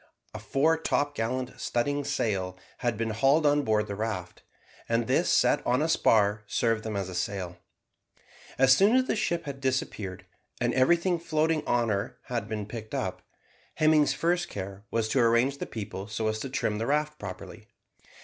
A fore topgallant studding sail had been hauled on board the raft, and this set on a spar served them as a sail. As soon as the ship had disappeared, and everything floating out of her had been picked up, Hemming's first care was to arrange the people so as to trim the raft properly.